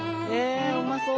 うまそう！